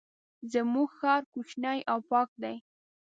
زمونږ ښار کوچنی او پاک دی.